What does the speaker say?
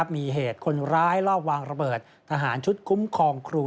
มีเหตุคนร้ายลอบวางระเบิดทหารชุดคุ้มครองครู